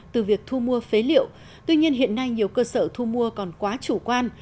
từ việc thu mua phế liệu tuy nhiên hiện nay nhiều cơ sở thu mua còn quá chủ quan